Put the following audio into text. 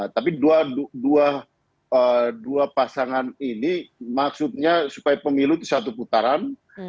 tapi dua pasangan ini maksudnya supaya pemilu itu satu putaran